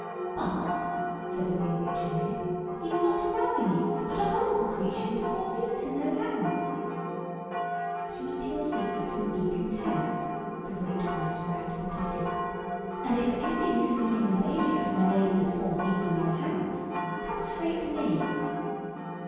"But," said the Real Kitchen Maid, "he is not to marry me, but a horrible creature with four feet and no hands." "Keep your secret and be content," the Great White Rat repeated, "and if ever you see him in danger from a lady with four feet and no hands, come straight to me."